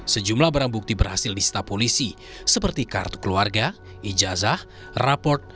sejumlah barang bukti berhasil disetap polisi seperti kartu keluarga ijazah raport